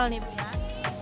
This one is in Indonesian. ini spesial nih